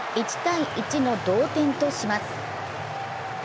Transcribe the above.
１−１の同点とします。